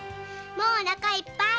もうお腹いっぱい。